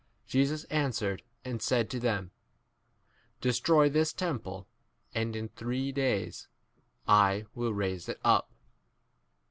Jesus an swered and said to them, Destroy this temple, k and in three days I 20 will raise it up.